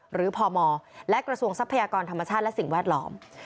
พมและกระทรวงทรัพยากรธรรมชาติและสิ่งแวดล้อม